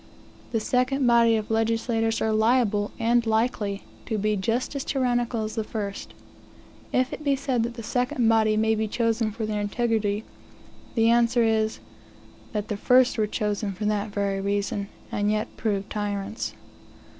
The second body of legislators are liable and likely to be just as tyrannical as the first. If it be said that the second body may be chosen for their integrity, the answer is, that the first were chosen for that very reason, and yet proved tyrants.